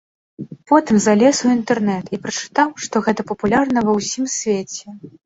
Потым залез у інтэрнэт і прачытаў, што гэта папулярна ва ўсім свеце.